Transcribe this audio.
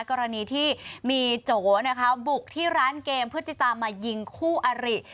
กรณีที่มีโจนะคะบุกที่ร้านเกมเพื่อจะตามมายิงคู่อริ